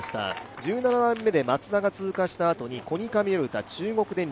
１７番目でマツダが通過したあとにコニカミノルタ、中国電力。